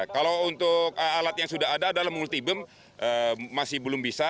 kalau untuk alat yang sudah ada dalam multibem masih belum bisa